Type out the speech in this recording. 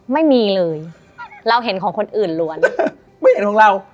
ไม่มีเลยเราเห็นของคนอื่นล้วนไม่เห็นของเรา